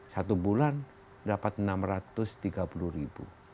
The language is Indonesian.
satu bulan dapat enam ratus tiga puluh ribu